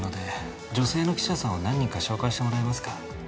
女性の記者さんを何人か紹介してもらえますか。